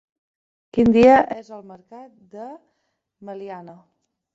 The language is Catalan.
Quin dia és el mercat de Meliana?